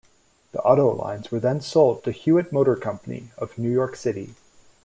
The auto lines were then sold to Hewitt Motor Company of New York City.